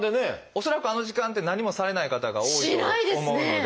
恐らくあの時間って何もされない方が多いと思うので。